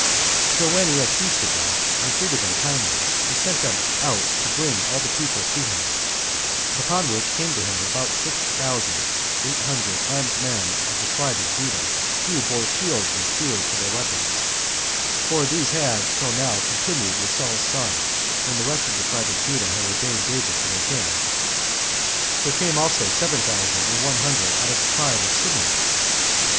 So when he had feasted them, and treated them kindly, he sent them out to bring all the people to him; upon which came to him about six thousand and eight hundred armed men of the tribe of Judah, who bare shields and spears for their weapons, for these had [till now] continued with Saul's son, when the rest of the tribe of Judah had ordained David for their king. There came also seven thousand and one hundred out of the tribe of Simeon.